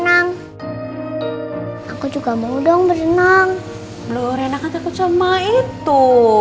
anakku gak boleh meninggal mama aku gak mau